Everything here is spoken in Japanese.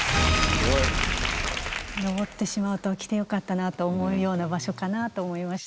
すごい！登ってしまうと来てよかったなと思うような場所かなと思いました。